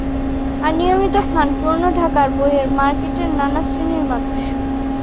আর নিয়মিত খান পুরোনো ঢাকার বইয়ের মার্কেটের নানা শ্রেণির মানুষ।